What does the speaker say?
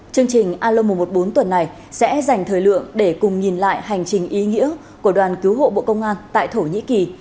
chương trình alo một trăm một mươi bốn tuần này sẽ dành thời lượng để cùng nhìn lại hành trình ý nghĩa của đoàn cứu hộ bộ công an tại thổ nhĩ kỳ